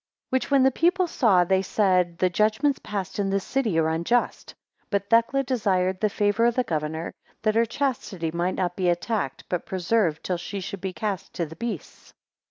WHICH when the people saw, they said: The judgments passed in this city are unjust. But Thecla desired the favour of the governor, that her chastity might not be attacked, but preserved till she should be cast to the beasts.